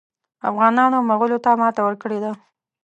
افغانانو مغولو ته ماته ورکړې ده.